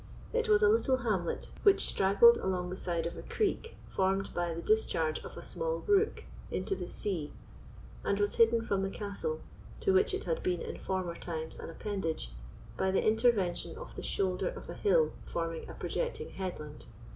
It was a little hamlet which straggled along the side of a creek formed by the discharge of a small brook into the sea, and was hidden from the castle, to which it had been in former times an appendage, by the intervention of the shoulder of a hill forming a projecting headland.